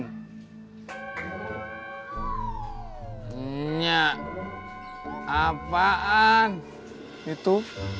enyak apaan itu